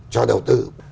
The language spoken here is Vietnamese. cho đầu tư